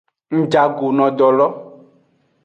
Ngjago no do lo.